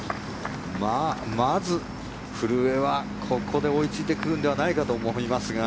まず古江はここで追いついてくるのではないかと思いますが。